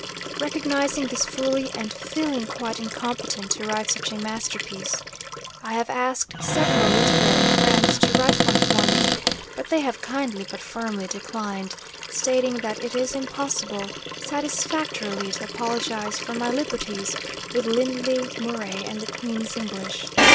Recognising this fully, and feeling quite incompetent to write such a masterpiece, I have asked several literary friends to write one for me, but they have kindly but firmly declined, stating that it is impossible satisfactorily to apologise for my liberties with Lindley Murray and the Queen's English.